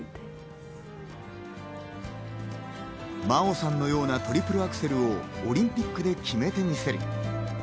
真央さんのようなトリプルアクセルをオリンピックで決めてみせる。